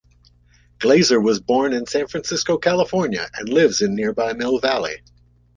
Glaser was born in San Francisco, California and lives in nearby Mill Valley.